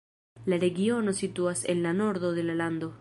La regiono situas en la nordo de la lando.